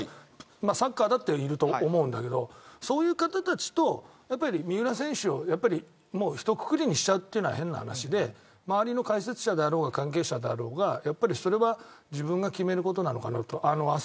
サッカーもいると思うけどそういう方たちと三浦選手をひとくくりにしたのは変な話で周りの解説者であろうが関係者であろうがそれは自分が決めることなのかなと思います。